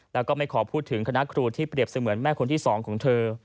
แล้วก็ไม่ขอพูดถึงคณะครูที่เปรียบเสมือนแม่คนที่๒ของเธอ